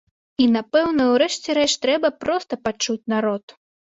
І, напэўна, у рэшце рэшт трэба проста пачуць народ.